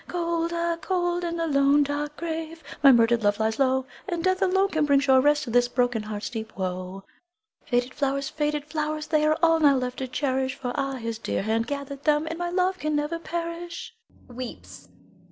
Cold, ah, cold, in the lone, dark grave, My murdered love lies low, And death alone can bring sure rest To this broken heart's deep woe. Faded flowers, faded flowers, They are all now left to cherish; For ah, his dear hand gathered them, And my love can never perish. [_Weeps.